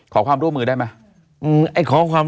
ขอความร่วมมือได้ไหม